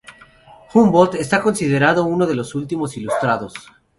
Humboldt es considerado uno de los últimos ilustrados.